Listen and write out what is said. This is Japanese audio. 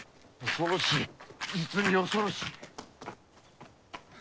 恐ろしい実に恐ろしい。